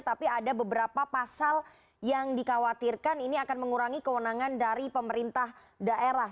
tapi ada beberapa pasal yang dikhawatirkan ini akan mengurangi kewenangan dari pemerintah daerah